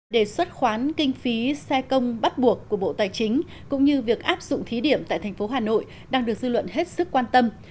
đề xuất khoán kinh phí xe công bắt buộc của bộ tài chính cũng như việc áp dụng thí điểm tại thành phố hà nội đang được dư luận hết sức quan tâm